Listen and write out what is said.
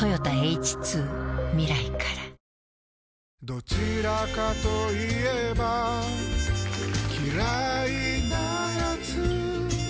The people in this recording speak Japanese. どちらかと言えば嫌いなやつ